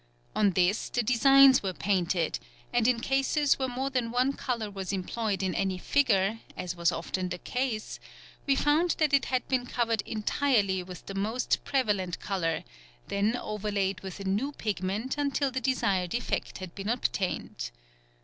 On this the designs were painted, and in cases where more than one colour was employed in any figure, as was often the case, we found that it had been covered entirely with the most prevalent colour, then overlaid with a new pigment until the desired effect had been obtained.